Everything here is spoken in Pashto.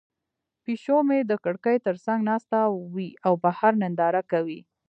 پیشو مې د کړکۍ تر څنګ ناسته وي او بهر ننداره کوي.